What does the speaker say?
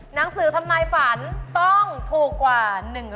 หนังสือทำนายฝันต้องถูกกว่า